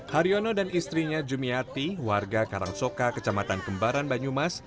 hari yono dan istrinya jumiyati warga karangsoka kecamatan kembaran banyumas